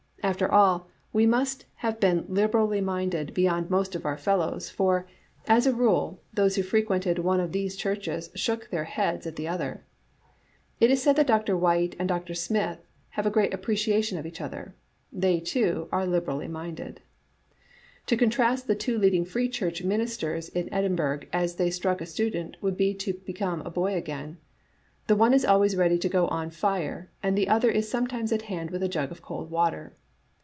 After all, we must have been liberally minded beyond most of our fellows, for, as a rule, those who frequented one of these churches shook their heads at the other. It is said that Dr. Whyte and Dr. Smith have a great appreciation of each other. They, too, are liberally minded. " To contrast the two leading Free Church ministers in Edinburgh as they struck a student would be to be come a boy again. The one is always ready to go on fire, and the other is sometimes at hand with a jug of cold water.